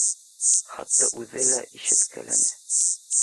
Хатта үҙе лә ишеткеләне